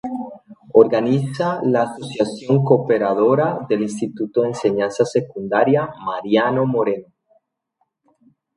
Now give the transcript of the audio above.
Organiza la Asociación Cooperadora del Instituto de Enseñanza Secundaria Mariano Moreno.